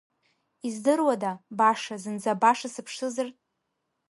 Издыруада, баша, зынӡа баша сыԥшызар?